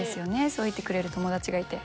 そう言ってくれる友達がいて。